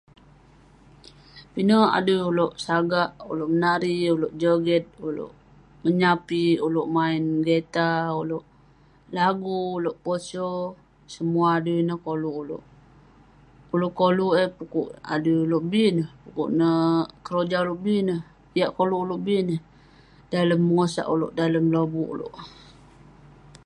Pinek adui ulouk sagak, ulouk menari, ulouk joget, ulouk menyapik, ulouk maen geta, ulouk lagu, ulouk poso. semua adui ineh koluk ulouk. Ulouk koluk eh pukuk adui ulouk bi neh dukuk neh keroja ulouk bi neh. yak koluk ulouk bi neh dalem bengosak ulouk dalem lobuk ulouk.